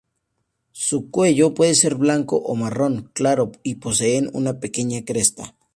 Su cuello puede ser blanco o marrón claro y poseen una pequeña cresta.